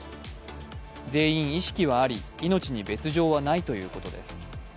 全員意識はあり命に別状はないということです。